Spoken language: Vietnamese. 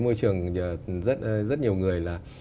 môi trường rất nhiều người